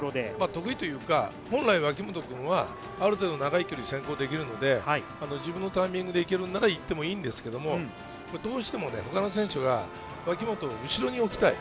得意というか本来、脇本はある程度長い距離を先行できるので、自分のタイミングで行けるなら、行ってもいいんですけれども、どうしても他の選手が脇本を後ろに置きたい。